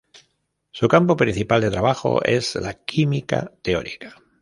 Su campo principal de trabajo es la química teórica.